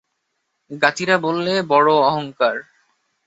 জ্ঞাতিরা বললে, বড়ো অহংকার।